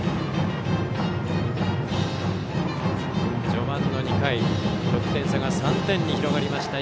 序盤の２回得点差が３点に広がりました。